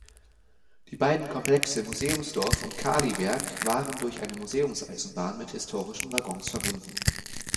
Die beiden Komplexe Museumsdorf und Kaliwerk waren durch eine Museumseisenbahn mit historischen Waggons verbunden.